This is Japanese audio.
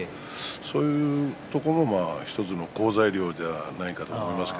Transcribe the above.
そういうところも１つの好材料ではないかなと思います。